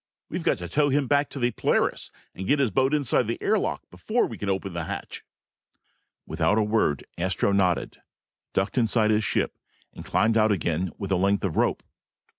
We've got to tow him back to the Polaris and get his boat inside the air lock before we can open the hatch!" Without a word, Astro nodded, ducked inside his ship, and climbed out again with a length of rope.